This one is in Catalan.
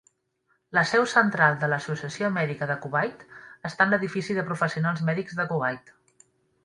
La seu central de l'Associació Mèdica de Kuwait està en l'edifici de Professionals Mèdics de Kuwait.